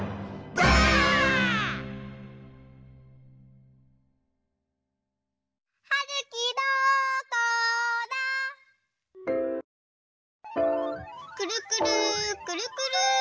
くるくるくるくる。